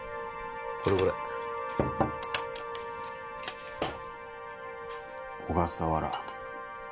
これこれ小笠原